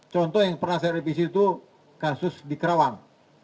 contoh yang pernah saya revisi itu kasus di kerawang